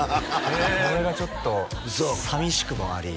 それがちょっと寂しくもあり